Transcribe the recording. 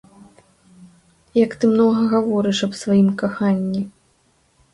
Як ты многа гаворыш аб сваім каханні.